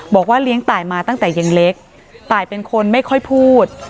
เลี้ยงตายมาตั้งแต่ยังเล็กตายเป็นคนไม่ค่อยพูด